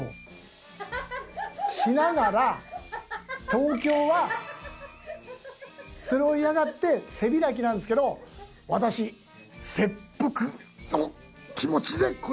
「東京はそれを嫌がって背開きなんですけど私切腹の気持ちでこれを持ってきました」